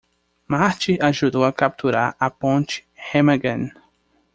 Marty ajudou a capturar a ponte Remagen.